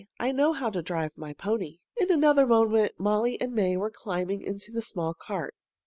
"I know how to drive my pony." In another moment Molly and May were climbing into the small cart.